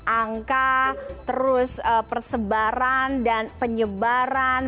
angka terus persebaran dan penyebaran